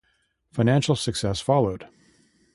Financial success followed.